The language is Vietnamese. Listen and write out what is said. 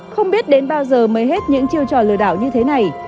không biết đến bao giờ mới hết những chiêu trò lừa đảo như thế này